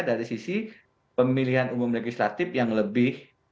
dari sisi pemilihan umum legislatif yang lebih